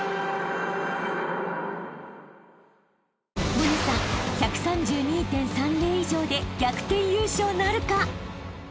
［百音さん１３２．３０以上で逆転優勝なるか？］